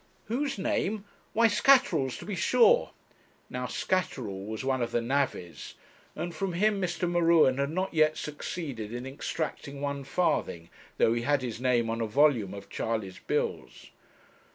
'Whose name! why Scatterall's, to be sure.' Now Scatterall was one of the navvies; and from him Mr. M'Ruen had not yet succeeded in extracting one farthing, though he had his name on a volume of Charley's bills.